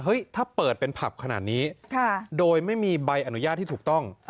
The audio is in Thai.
ถ้าเปิดเป็นผับขนาดนี้โดยไม่มีใบอนุญาตที่ถูกต้อง